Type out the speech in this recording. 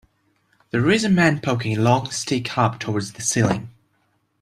There is a man poking a long stick up towards the ceiling